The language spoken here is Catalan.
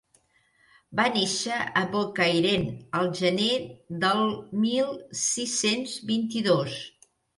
Va nàixer a Bocairent al gener del mil sis-cents vint-i-dos.